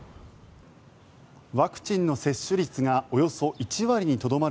ワクチンの接種率がおよそ１割にとどまる